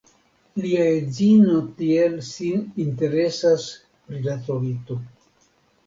Lia edzino tiel sin interesas pri la trovito.